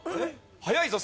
早いぞ。